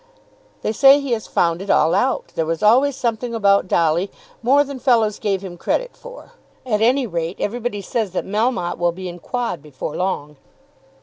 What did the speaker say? "They say he has found it all out. There was always something about Dolly more than fellows gave him credit for. At any rate, everybody says that Melmotte will be in quod before long."